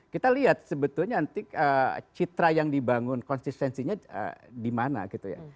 kita lihat sebetulnya nanti citra yang dibangun konsistensinya di mana gitu ya